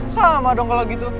sama dong kalau gitu